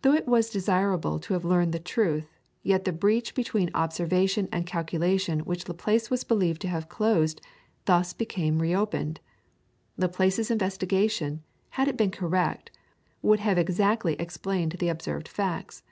Though it was desirable to have learned the truth, yet the breach between observation and calculation which Laplace was believed to have closed thus became reopened. Laplace's investigation, had it been correct, would have exactly explained the observed facts.